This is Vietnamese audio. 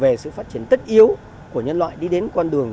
về sự phát triển tất yếu của nhân loại đi đến con đường